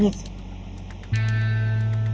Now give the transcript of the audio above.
dua ratus juta itu gede banget